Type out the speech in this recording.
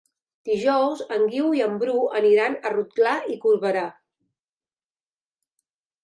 Dijous en Guiu i en Bru aniran a Rotglà i Corberà.